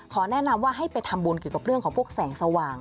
แนะนำว่าให้ไปทำบุญเกี่ยวกับเรื่องของพวกแสงสว่าง